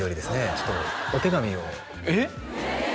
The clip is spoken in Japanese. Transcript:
ちょっとお手紙をえっ！？